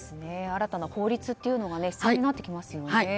新たな法律というのも必要になってきますよね。